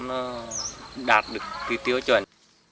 nó đạt được tiêu chuẩn